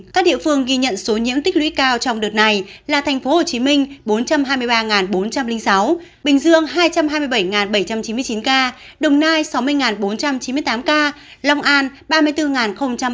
các địa phương ghi nhận số nhiễm tích lũy cao trong đợt này là thành phố hồ chí minh bốn trăm hai mươi ba bốn trăm linh sáu bình dương hai trăm hai mươi bảy bảy trăm chín mươi chín ca đồng nai sáu mươi bốn trăm chín mươi tám ca long an ba mươi bốn bảy mươi một ca tiền giang một mươi năm ba trăm chín mươi hai ca